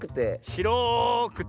しろくて。